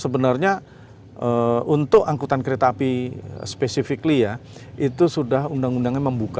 sebenarnya untuk angkutan kereta api spesifically ya itu sudah undang undangnya membuka